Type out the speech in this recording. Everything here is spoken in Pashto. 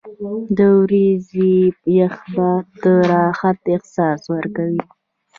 • د ورځې یخ باد د راحت احساس ورکوي.